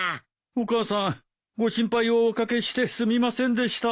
お母さんご心配をおかけしてすみませんでした。